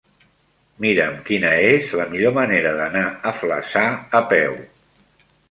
Mira'm quina és la millor manera d'anar a Flaçà a peu.